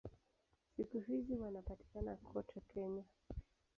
Siku hizi wanapatikana kote Kenya.